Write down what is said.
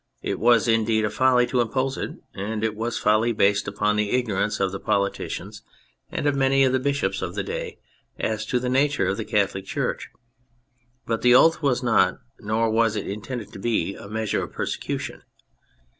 It was, indeed, a folly to impose it, and it was a folly based upon the ignorance of the politicians (and of many of the bishops of the day) as to the nature of the Catholic Church. But the oath was not, nor was it intended to be, a measure of persecution.